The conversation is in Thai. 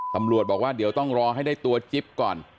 ตำรวจบอกว่าเดี๋ยวต้องรอให้ได้ตัวจิ๊บก่อน